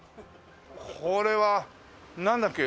これはなんだっけ？